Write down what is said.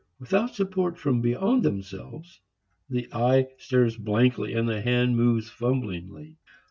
Without support from beyond themselves the eye stares blankly and the hand moves fumblingly.